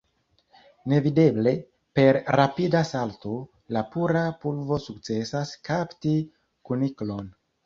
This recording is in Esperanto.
Nevideble, per rapida salto, la pura vulpo sukcesas kapti kuniklon.